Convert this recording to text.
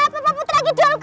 pemang putra gedulku